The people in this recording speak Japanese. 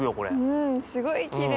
うんすごいきれい。